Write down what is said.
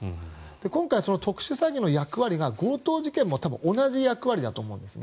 今回、特殊詐欺の役割が強盗事件も同じ役割だと思うんですね。